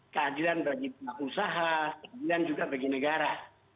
keadilan bagi usaha keadilan juga bagi negara